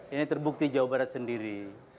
ini terbukti jawa barat sendiri